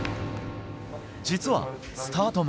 実はスタート前。